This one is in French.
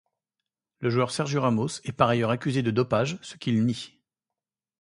Le joueur Sergio Ramos est par ailleurs accusé de dopage, ce qu'il nie.